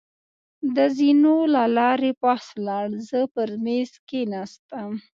د زېنو له لارې پاس ولاړ، زه پر مېز کېناستم.